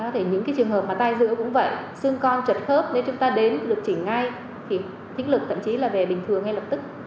thì những cái trường hợp mà tai dữa cũng vậy xương con trật khớp nếu chúng ta đến được chỉnh ngay thì thích lực thậm chí là về bình thường ngay lập tức